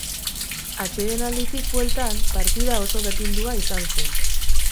Atsedenalditik bueltan partida oso berdindua izan zen.